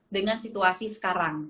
dengan situasi sekarang